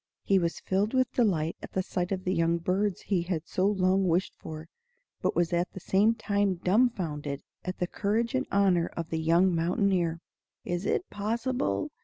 He was filled with delight at the sight of the young birds he had so long wished for, but was at the same time dumfounded at the courage and honor of the young mountaineer. "Is it possible?"